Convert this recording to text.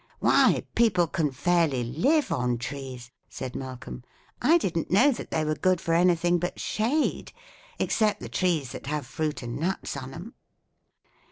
"Why, people can fairly live on trees," said Malcolm. "I didn't know that they were good for anything but shade except the trees that have fruit and nuts on 'em."